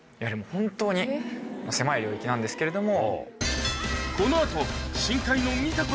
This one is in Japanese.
本当に狭い領域なんですけれども。